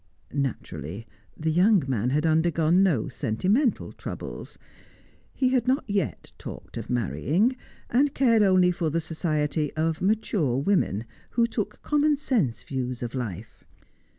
Naturally the young man had undergone no sentimental troubles; he had not yet talked of marrying, and cared only for the society of mature women who took common sense views of life.